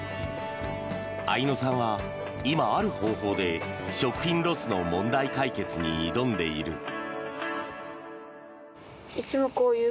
愛乃さんは今、ある方法で食品ロスの問題解決に挑んでいる。